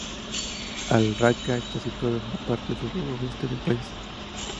Al Raqa está situado en la parte suroeste del país.